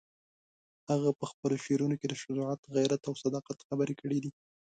هغه په خپلو شعرونو کې د شجاعت، غیرت او صداقت خبرې کړې دي.